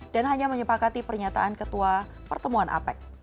dan hanya menyepakati pernyataan ketua pertemuan apec